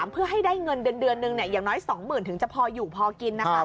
เพื่อให้เงินเดือนอย่างน้อย๒๐๐๐๐บาทถึงจะพออยู่พอกิน